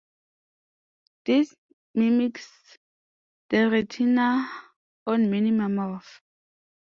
This mimics the retina on many mammals.